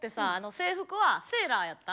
制服はセーラーやった？